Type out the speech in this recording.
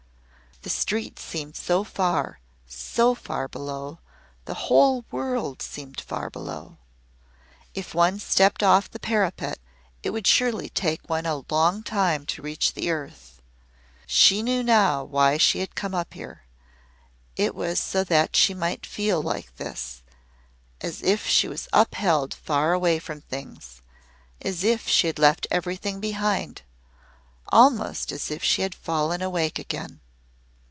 The street seemed so far so far below the whole world seemed far below. If one stepped off the parapet it would surely take one a long time to reach the earth. She knew now why she had come up here. It was so that she might feel like this as if she was upheld far away from things as if she had left everything behind almost as if she had fallen awake again.